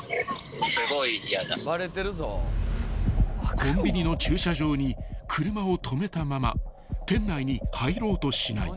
［コンビニの駐車場に車を止めたまま店内に入ろうとしない］